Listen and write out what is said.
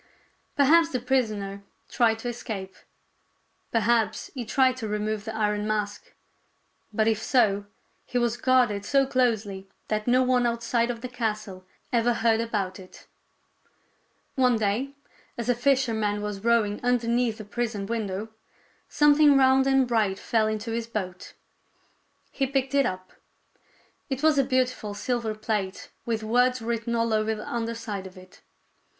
Perhaps the prisoner tried to escape. Perhaps he tried to remove the iron mask. But, if so, he was guarded so closely that no one outside of the castle ever heard about it. 134 THIRTY MORE FAMOUS STORIES One day as a fisherman was rowing underneath the prison window, something round and bright fell into his boat. He picked it up. It was a beautiful silver plate, with words written all over the under side of it.